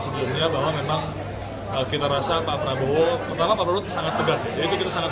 sebelumnya bahwa memang kita rasa pak prabowo pertama pak luhut sangat tegas jadi kita sangat